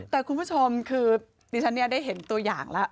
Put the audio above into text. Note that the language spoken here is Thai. แต่คุณผู้ชมคือดิฉันได้เห็นตัวอย่างแล้ว